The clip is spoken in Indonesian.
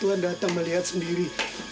tuhan datang melihat sendiri